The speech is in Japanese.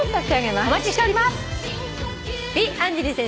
お待ちしております！